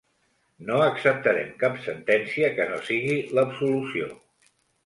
No acceptarem cap sentència que no sigui l’absolució.